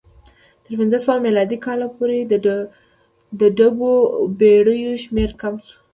تر پنځه سوه میلادي کاله پورې د ډوبو بېړیو شمېر کم شو